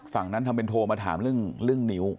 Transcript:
ฝั่งนั้นทำเป็นโทรมาถามเรื่องนิ้ว